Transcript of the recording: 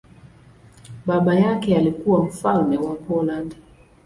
Baba yake alikuwa mfalme wa Poland.